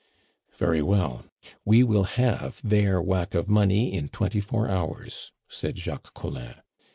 "Very well; we will have their whack of money in twenty four hours," said Jacques Collin.